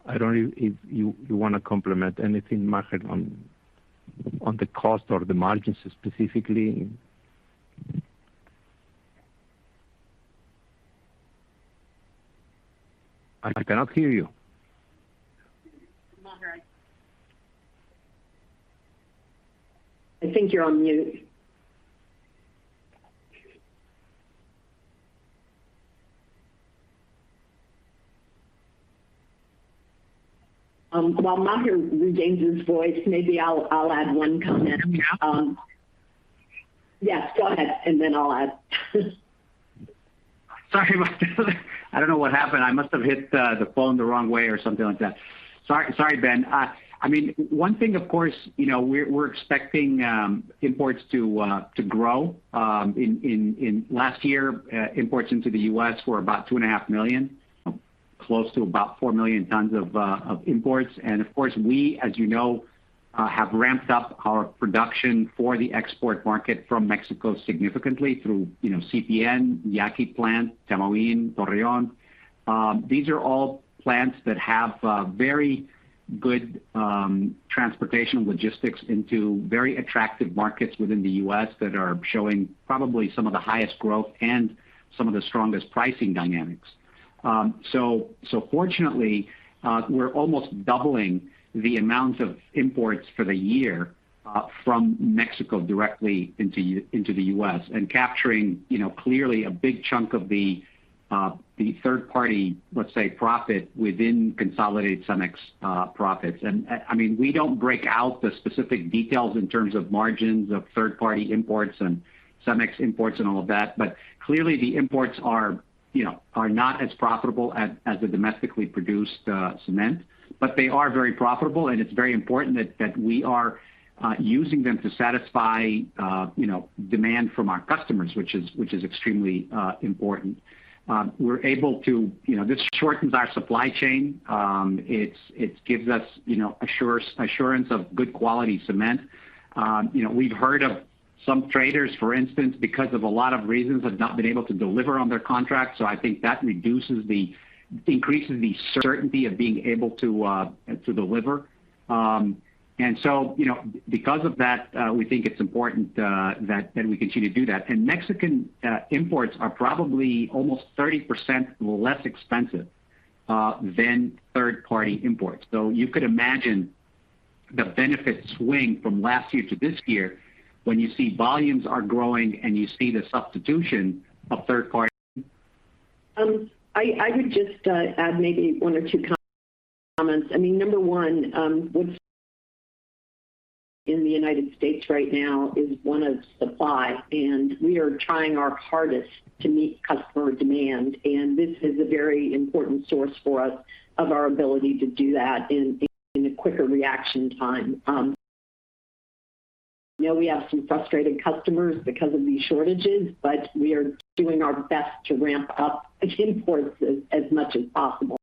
I don't know if you wanna comment anything, Maher, on the cost or the margins specifically. I cannot hear you. Maher. I think you're on mute. While Maher regains his voice, maybe I'll add one comment. Yeah, go ahead, and then I'll add. Sorry about that. I don't know what happened. I must have hit the phone the wrong way or something like that. Sorry, Ben. I mean, one thing, of course, you know, we're expecting imports to grow. In last year, imports into the U.S. were about 2.5 million, close to about 4 million tons of imports. Of course, we, as you know, have ramped up our production for the export market from Mexico significantly through, you know, CPN, Yaqui plant, Tamuín, Torreón. These are all plants that have very good transportation logistics into very attractive markets within the U.S. that are showing probably some of the highest growth and some of the strongest pricing dynamics. Fortunately, we're almost doubling the amount of imports for the year from Mexico directly into the US and capturing, you know, clearly a big chunk of the third party, let's say, profit within consolidated CEMEX profits. I mean, we don't break out the specific details in terms of margins of third party imports and CEMEX imports and all of that, but clearly the imports are, you know, not as profitable as the domestically produced cement. They are very profitable, and it's very important that we are using them to satisfy, you know, demand from our customers, which is extremely important. We're able to. You know, this shortens our supply chain. It gives us, you know, assurance of good quality cement. You know, we've heard of some traders, for instance, because of a lot of reasons, have not been able to deliver on their contracts, so I think that increases the certainty of being able to deliver. You know, because of that, we think it's important that we continue to do that. Mexican imports are probably almost 30% less expensive than third party imports. You could imagine the benefit swing from last year to this year when you see volumes are growing and you see the substitution of third party. I would just add maybe one or two comments. I mean, number one, what's in the United States right now is one of supply, and we are trying our hardest to meet customer demand. This is a very important source for us of our ability to do that in a quicker reaction time. You know, we have some frustrated customers because of these shortages, but we are doing our best to ramp up imports as much as possible.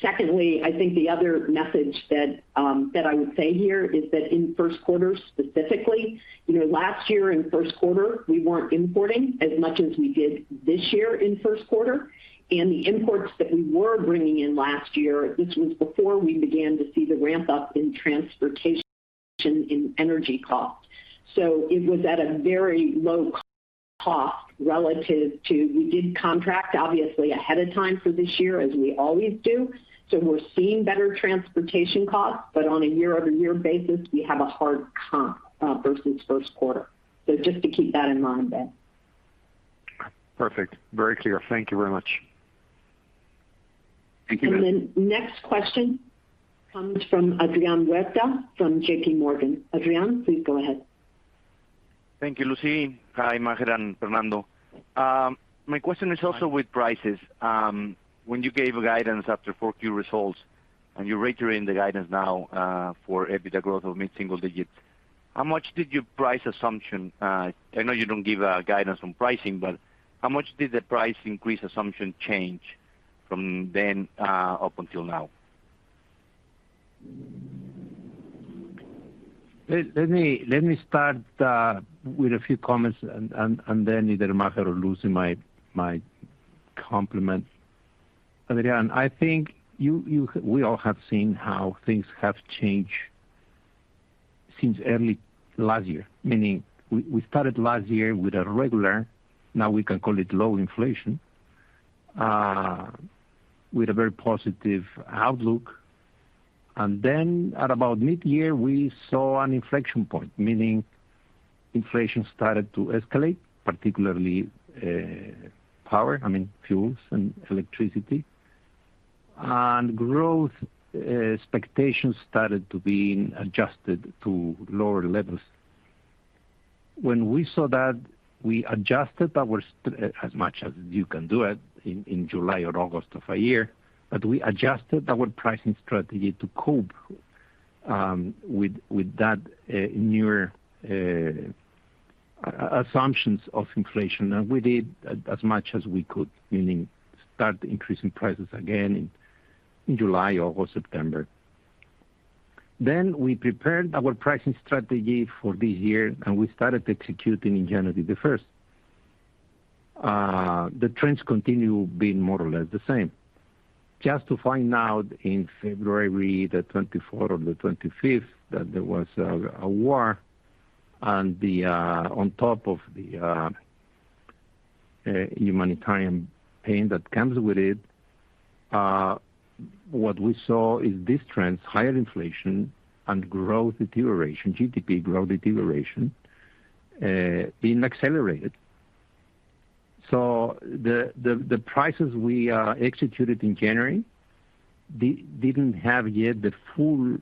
Secondly, I think the other message that I would say here is that in first quarter specifically, you know, last year in first quarter, we weren't importing as much as we did this year in first quarter. The imports that we were bringing in last year, this was before we began to see the ramp-up in transportation and energy costs. It was at a very low cost relative to. We did contract obviously ahead of time for this year, as we always do, so we're seeing better transportation costs, but on a year-over-year basis, we have a hard comp versus first quarter. Just to keep that in mind, Ben. Perfect. Very clear. Thank you very much. Next question comes from Adrian Huerta from JP Morgan. Adrian, please go ahead. Thank you, Lucy. Hi, Maher and Fernando. My question is also with prices. When you gave a guidance after Q4 results and you're reiterating the guidance now, for EBITDA growth of mid-single digits, how much did your price assumption change? I know you don't give guidance on pricing, but how much did the price increase assumption change from then up until now? Let me start with a few comments and then either Maher or Lucy might complement. Adrian, I think we all have seen how things have changed since early last year, meaning we started last year with a regular, now we can call it low inflation, with a very positive outlook. Then at about midyear, we saw an inflection point, meaning inflation started to escalate, particularly power, I mean, fuels and electricity. Growth expectations started to be adjusted to lower levels. When we saw that, we adjusted our strategy as much as you can do it in July or August of a year, but we adjusted our pricing strategy to cope with that newer assumptions of inflation. We did as much as we could, meaning start increasing prices again in July, August, September. We prepared our pricing strategy for this year, and we started executing in January 1st. The trends continue being more or less the same. Just to find out in February, the 24th or the 25th, that there was a war. On top of the humanitarian pain that comes with it, what we saw is these trends, higher inflation and growth deterioration, GDP growth deterioration, being accelerated. The prices we executed in January didn't have yet the full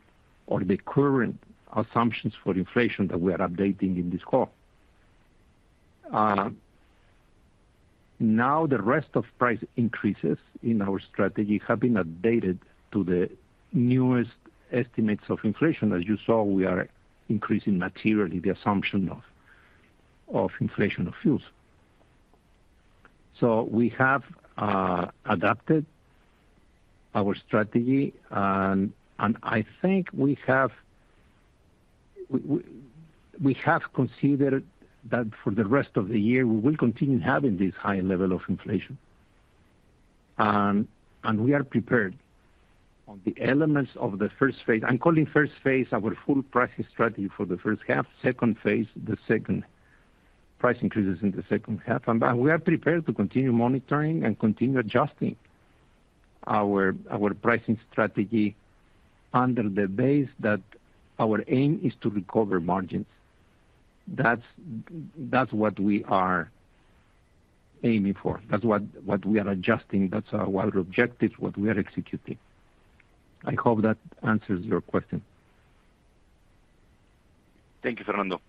or the current assumptions for inflation that we are updating in this call. Now the rest of price increases in our strategy have been updated to the newest estimates of inflation. As you saw, we are increasing materially the assumption of inflation of fuels. We have adapted our strategy. I think we have considered that for the rest of the year, we will continue having this high level of inflation. We are prepared on the elements of the first phase. I'm calling first phase our full pricing strategy for the first half, second phase, the second price increases in the second half. We are prepared to continue monitoring and continue adjusting our pricing strategy under the base that our aim is to recover margins. That's what we are aiming for. That's what we are adjusting. That's our objective, what we are executing. I hope that answers your question. Thank you, Fernando.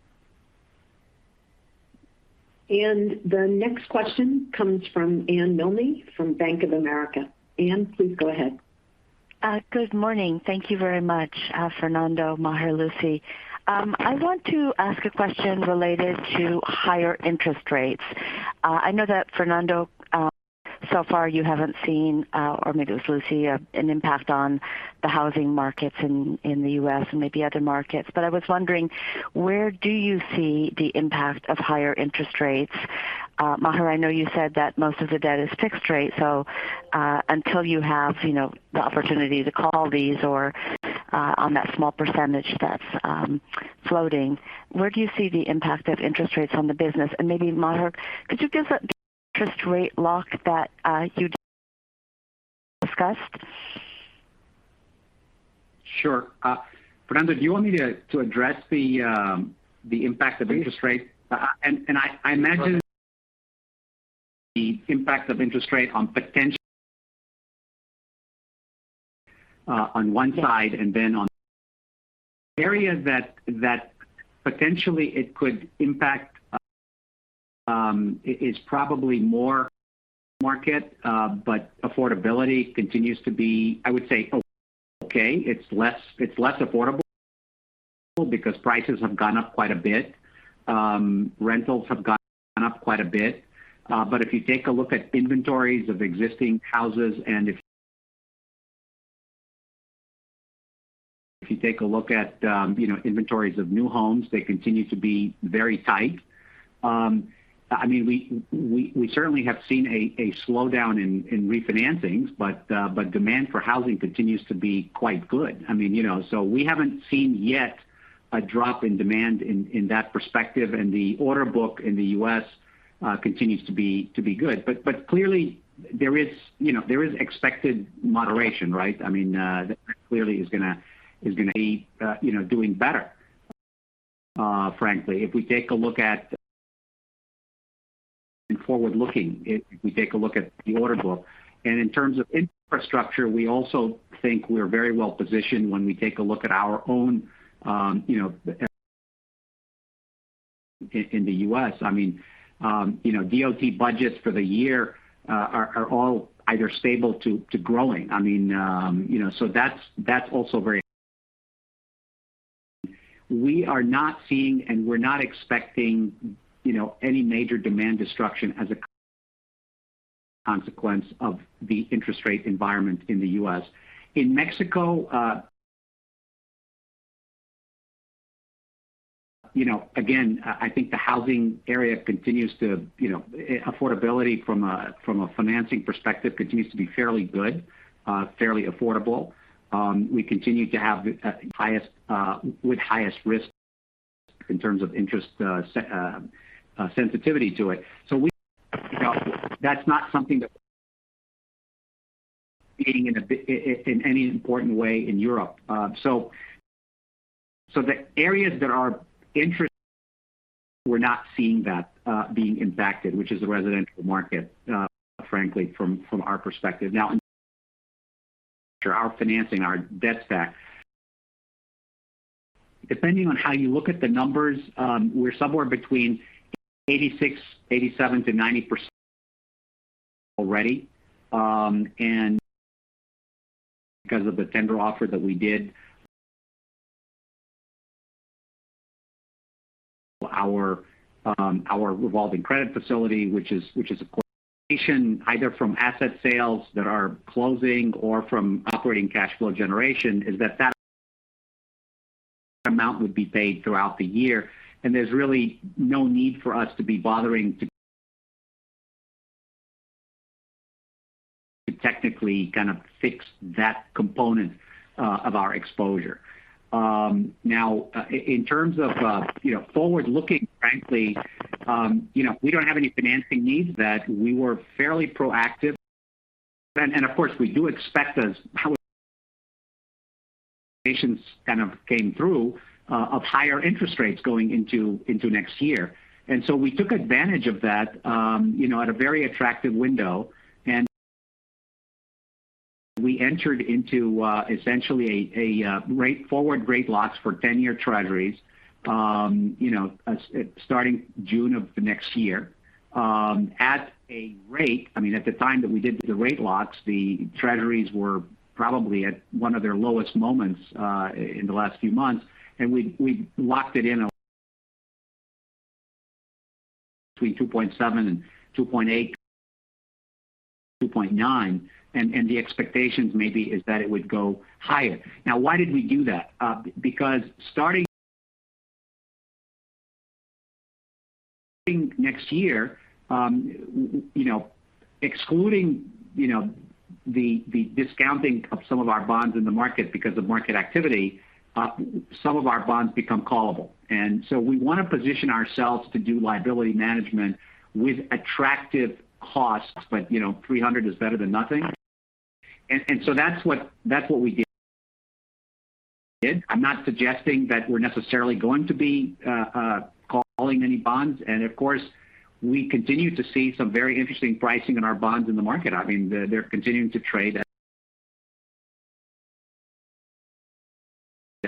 The next question comes from Anne Milne from Bank of America. Anne, please go ahead. Good morning. Thank you very much, Fernando, Maher, Lucy. I want to ask a question related to higher interest rates. I know that Fernando, so far you haven't seen, or maybe it was Lucy, an impact on the housing markets in the U.S. and maybe other markets. I was wondering, where do you see the impact of higher interest rates? Maher, I know you said that most of the debt is fixed rate, so until you have, you know, the opportunity to call these or on that small percentage that's floating, where do you see the impact of interest rates on the business? Maybe Maher, could you give the interest rate lock that you discussed? Sure. Fernando, do you want me to address the impact of interest rates? Please. I imagine the impact of interest rate on potential, on one side and then on areas that potentially it could impact is probably more market, but affordability continues to be, I would say, okay. It's less affordable because prices have gone up quite a bit. Rentals have gone up quite a bit. If you take a look at inventories of existing houses, and if you take a look at inventories of new homes, they continue to be very tight. I mean, we certainly have seen a slowdown in refinancings, but demand for housing continues to be quite good. I mean, we haven't seen yet a drop in demand in that perspective. The order book in the U.S. continues to be good. But clearly there is, you know, expected moderation, right? I mean, that clearly is gonna be doing better, frankly, if we take a look at the forward-looking order book. In terms of infrastructure, we also think we're very well positioned when we take a look at our own in the U.S. I mean, you know, D.O.T. budgets for the year are all either stable to growing. I mean, you know, so that's also very. We are not seeing and we're not expecting, you know, any major demand destruction as a consequence of the interest rate environment in the U.S. In Mexico, you know, again, I think the housing area continues to, you know, affordability from a financing perspective continues to be fairly good, fairly affordable. We continue to have the highest risk in terms of interest sensitivity to it. You know, that's not something that in any important way in Europe. The areas that are interest, we're not seeing that being impacted, which is the residential market, frankly, from our perspective. Now, our financing, our debt stack, depending on how you look at the numbers, we're somewhere between 86, 87 to 90% already. Because of the tender offer that we did, our revolving credit facility, which is a portion either from asset sales that are closing or from operating cash flow generation, that amount would be paid throughout the year, and there's really no need for us to be bothering to technically kind of fix that component of our exposure. Now, in terms of, you know, forward-looking, frankly, you know, we don't have any financing needs that we were fairly proactive. Of course, we do expect as how patience kind of came through of higher interest rates going into next year. We took advantage of that, you know, at a very attractive window. We entered into essentially a forward rate locks for 10-year treasuries, you know, starting June of next year, at a rate. I mean, at the time that we did the rate locks, the treasuries were probably at one of their lowest moments in the last few months, and we locked it in between 2.7 and 2.8, 2.9. The expectations maybe is that it would go higher. Now, why did we do that? Because starting next year, we you know excluding you know the discounting of some of our bonds in the market because of market activity, some of our bonds become callable. We wanna position ourselves to do liability management with attractive costs. You know, 300 is better than nothing. That's what we did. I'm not suggesting that we're necessarily going to be calling any bonds. Of course, we continue to see some very interesting pricing in our bonds in the market. I mean, they're continuing to trade at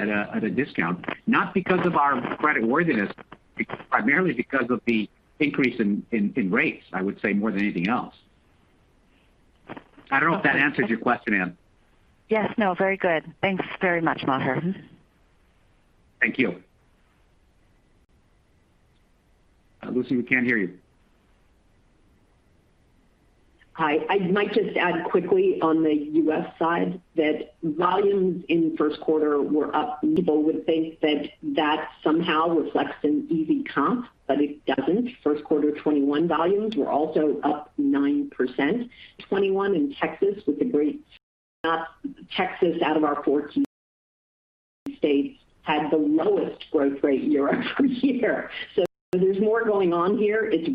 a discount, not because of our creditworthiness, primarily because of the increase in rates, I would say more than anything else. I don't know if that answers your question, Anne. Yes, no, very good. Thanks very much, Maher. Thank you. Lucy, we can't hear you. Hi. I might just add quickly on the U.S. side that volumes in first quarter were up. People would think that that somehow reflects an easy comp, but it doesn't. First quarter 2021 volumes were also up 9%. 2021 in Texas out of our 14 states had the lowest growth rate year-over-year. There's more going on here. It's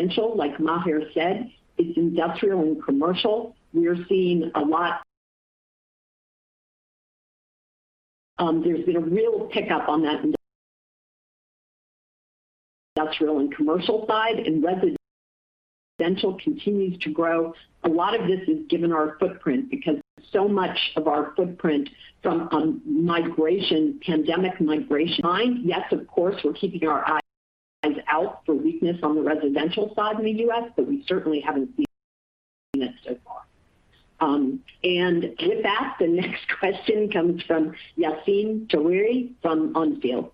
residential, like Maher said. It's industrial and commercial. We are seeing a lot. There's been a real pickup on that industrial and commercial side, and residential continues to grow. A lot of this is given our footprint because so much of our footprint from migration, pandemic migration. Yes, of course, we're keeping our eyes out for weakness on the residential side in the U.S., but we certainly haven't seen it so far. With that, the next question comes from Yassine Touahri from On Field.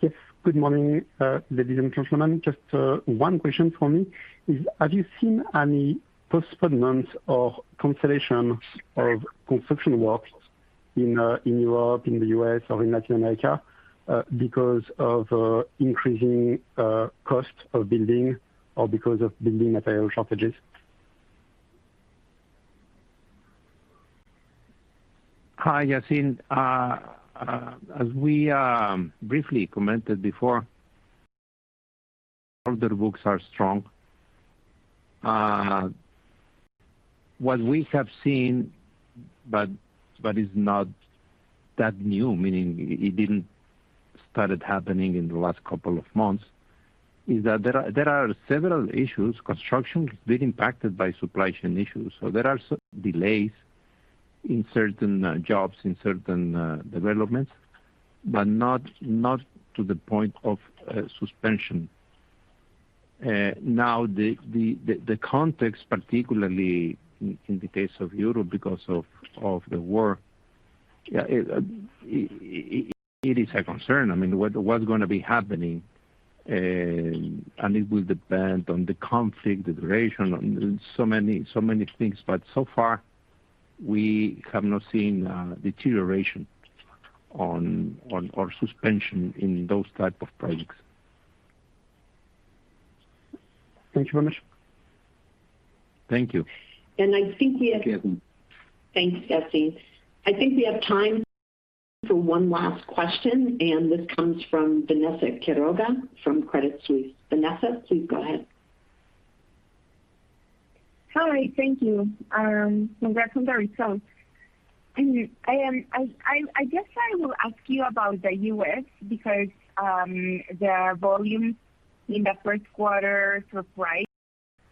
Yes. Good morning, ladies and gentlemen. Just one question for me is, have you seen any postponements or cancellations of construction works in Europe, in the U.S. or in Latin America, because of increasing costs of building or because of building material shortages? Hi, Yassine. As we briefly commented before, the books are strong. What we have seen but is not that new, meaning it didn't started happening in the last couple of months, is that there are several issues. Construction is being impacted by supply chain issues. There are some delays in certain jobs, in certain developments, but not to the point of suspension. Now the context, particularly in the case of Europe because of the war, it is a concern. I mean, what's gonna be happening, and it will depend on the conflict, the duration, on so many things. So far, we have not seen deterioration on or suspension in those type of projects. Thank you very much. Thank you. I think we have Yassine. Thanks, Yassine. I think we have time for one last question, this comes from Vanessa Quiroga from Credit Suisse. Vanessa, please go ahead. Hi. Thank you. Congrats on the results. I guess I will ask you about the U.S. because the volumes in the first quarter surprised.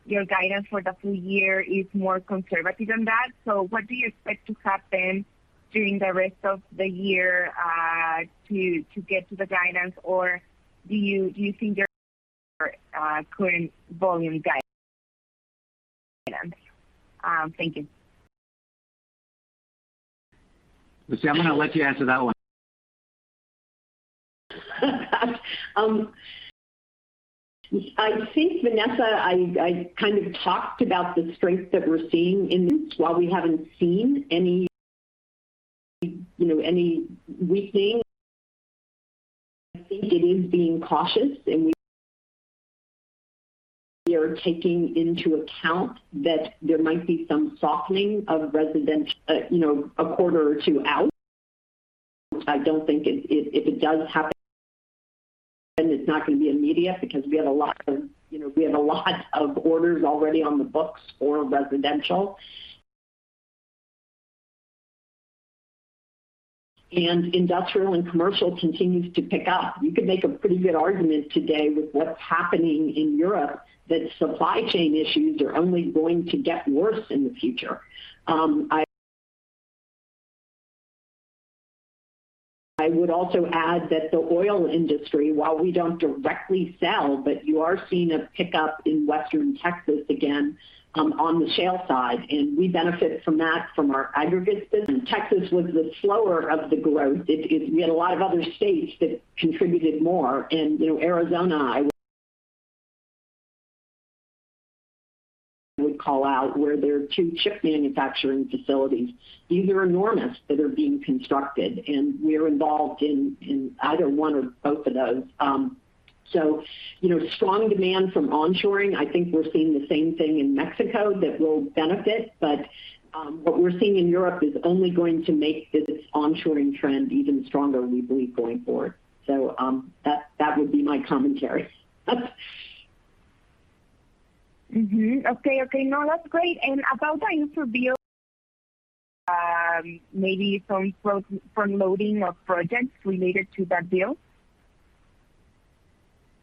Your guidance for the full year is more conservative than that. What do you expect to happen during the rest of the year to get to the guidance? Or do you think your current volume guidance? Thank you. Lucy, I'm gonna let you answer that one. I think, Vanessa, I kind of talked about the strength that we're seeing in this. While we haven't seen any, you know, any weakening, I think it is being cautious, and we are taking into account that there might be some softening of residential, you know, a quarter or two out. I don't think if it does happen, then it's not gonna be immediate because we have a lot of, you know, orders already on the books for residential. Industrial and commercial continues to pick up. You could make a pretty good argument today with what's happening in Europe that supply chain issues are only going to get worse in the future. I would also add that the oil industry, while we don't directly sell, but you are seeing a pickup in West Texas again, on the shale side, and we benefit from that from our aggregates business. Texas was the slower of the growth. We had a lot of other states that contributed more. You know, Arizona I would call out, where there are two chip manufacturing facilities, these are enormous, that are being constructed, and we're involved in either one or both of those. You know, strong demand from on-shoring. I think we're seeing the same thing in Mexico that will benefit. What we're seeing in Europe is only going to make this on-shoring trend even stronger, we believe, going forward. That would be my commentary. Mm-hmm. Okay. Okay. No, that's great. About the Infra bill, maybe some front loading of projects related to that bill?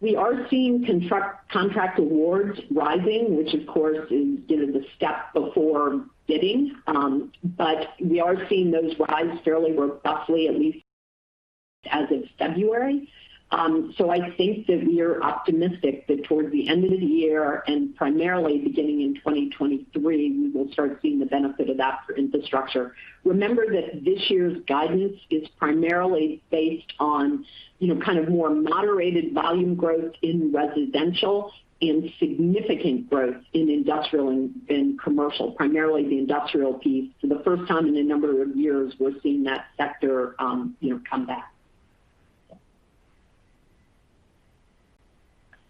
We are seeing contract awards rising, which of course is, you know, the step before bidding. We are seeing those rise fairly robustly, at least as of February. I think that we're optimistic that towards the end of the year and primarily beginning in 2023, we will start seeing the benefit of that for infrastructure. Remember that this year's guidance is primarily based on, you know, kind of more moderated volume growth in residential and significant growth in industrial and commercial, primarily the industrial piece. For the first time in a number of years, we're seeing that sector, you know, come back.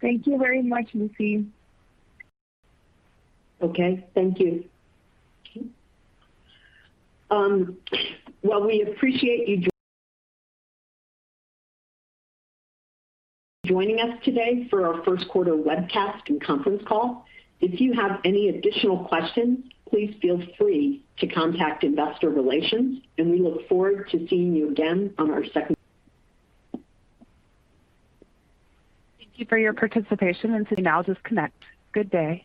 Thank you very much, Lucy. Okay. Thank you. Well, we appreciate you joining us today for our first quarter webcast and conference call. If you have any additional questions, please feel free to contact investor relations, and we look forward to seeing you again on our second- Thank you for your participation in today's Connect. Good day.